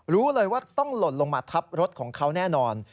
รู้เลยว่าต้องหล่นลงมาทับรถของเขาแน่นอน